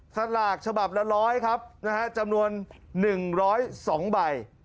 สลากฉบับละ๑๐๐ครับนะฮะจำนวน๑๐๒ใบ